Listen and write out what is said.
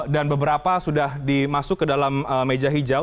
dan beberapa sudah dimasuk ke dalam meja hijau